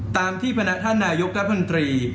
ตามที่พนักท่านนายกรัฐมนตรี